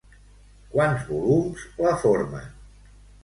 Quants volums la formen?